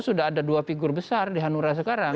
sudah ada dua figur besar di hanura sekarang